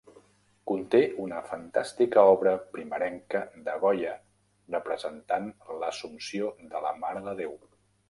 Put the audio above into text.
Conté una fantàstica obra primerenca de Goya representant l'Assumpció de la Mare de Déu.